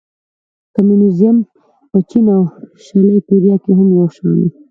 کمونېزم په چین او شلي کوریا کې هم یو شان و.